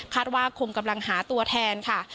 ว่าคงกำลังหาตัวแทนค่ะ